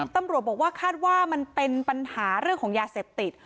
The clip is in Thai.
ตำรวจบอกว่าคาดว่ามันเป็นปัญหาเรื่องของยาเสพติด